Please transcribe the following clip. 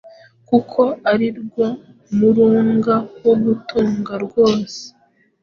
kuko ari rwo murunga wo gutungana rwose.